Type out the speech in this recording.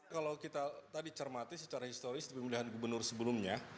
kalau kita tadi cermati secara historis di pemilihan gubernur sebelumnya